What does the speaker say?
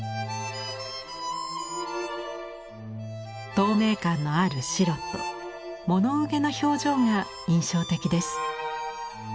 透明感のある白と物憂げな表情が印象的です。